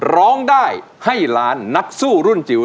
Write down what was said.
ร้องได้ให้ล้านนักสู้รุ่นจิ๋ว